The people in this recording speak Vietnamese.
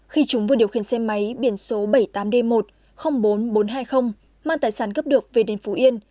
khi chúng vừa điều khiển xe máy biển số bảy mươi tám d một bốn bốn trăm hai mươi mang tài sản cấp được về đến phú yên